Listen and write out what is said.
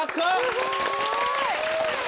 すごーい！